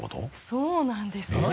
そうなんですよ。